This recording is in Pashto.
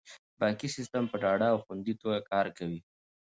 بانکي سیستم په ډاډه او خوندي توګه کار کوي.